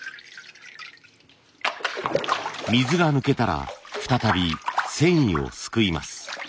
水が抜けたら再び繊維をすくいます。